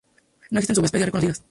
No existen subespecies reconocidas.